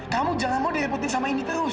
kamu jangan mau direbutin sama indi terus